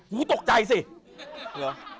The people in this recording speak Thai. กูตกใจสิเหรอ